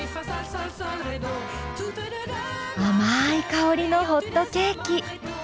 甘い香りのホットケーキ。